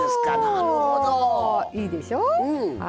いいでしょ。